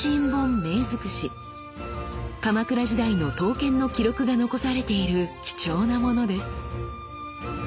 鎌倉時代の刀剣の記録が残されている貴重な物です。